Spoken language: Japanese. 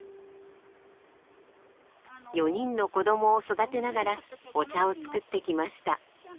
４人の子どもを育てながらお茶を作ってきました。